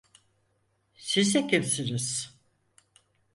Sizde kimsiniz?